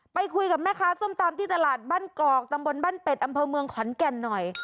ไปคุยกับแม่ค้าส้มตำที่ตลาดบ้านกอกตำบลบ้านเป็ดอำเภอเมืองขอนแก่นหน่อย